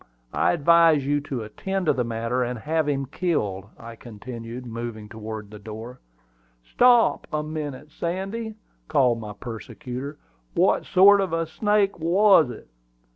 I advise you to attend to the matter, and have him killed," I continued, moving toward the door. "Stop a minute, Sandy," called my persecutor. "What sort of a snake was it?"